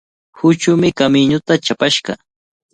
Huchumi kamiñuta chapashqa.